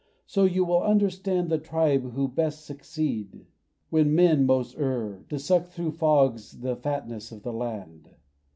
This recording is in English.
So you will understand The tribe who best succeed, when men most err, To suck through fogs the fatness of the land.